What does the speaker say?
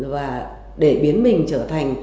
và để biến mình trở thành